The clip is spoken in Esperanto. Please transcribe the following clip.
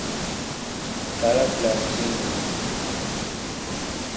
Kara fratino!